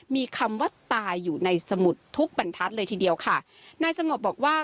มีคำว่าตายอยู่ในสมุดทุกบรรทัศน์เลยทีเดียวค่ะนายสงบบอกว่า